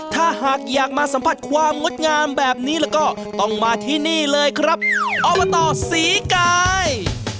ถ้าหากอยากมาสัมผัสความงดงามแบบนี้แล้วก็ต้องมาที่นี่เลยครับอบตศรีกาย